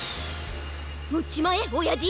うっちまえおやじ！